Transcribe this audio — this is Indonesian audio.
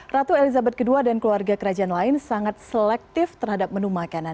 ratu elizabeth ii dan keluarga kerajaan lain sangat selektif terhadap menu makanan